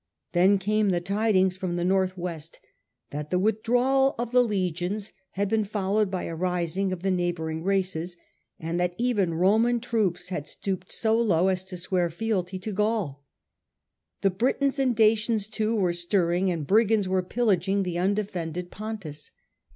Then came the tidings from the North west that the withdrawal of the legions had been followed by a rising of the neighbouring races, and that even Roman troops had stooped so low as to swear fealty to the Gaul. The Britons and Dacians too were stirring, and brigands were pillaging the unde fended Pontus.